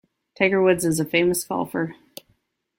Tiger Woods is a famous golfer.